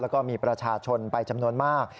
แล้วก็มีประชาชนไปจำนวนมาก